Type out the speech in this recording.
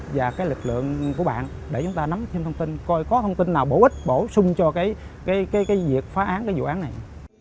và cái lực lượng của bạn để chúng ta nắm thêm thông tin coi có thông tin nào bổ ích bổ sung cho cái việc phá án cái vụ án này